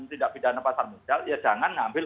tidak pidana pasar modal ya jangan ambil